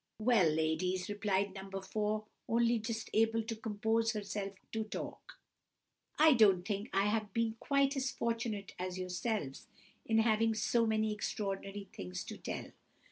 "Well, ladies," replied No. 4, only just able to compose herself to talk, "I don't think I have been quite as fortunate as yourselves in having so many extraordinary things to tell.